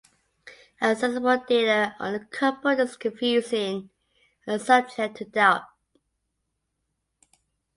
Accessible data on the couple is confusing and subject to doubt.